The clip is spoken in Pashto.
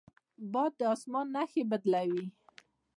باد د اسمان نښې بدلوي